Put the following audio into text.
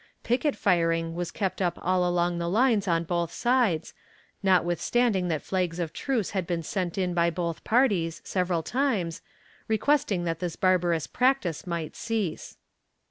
Picket firing was kept up all along the lines on both sides, notwithstanding that flags of truce had been sent in by both parties, several times, requesting that this barbarous practice might cease.